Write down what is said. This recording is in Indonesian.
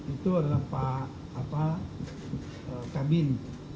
itu adalah pak kabin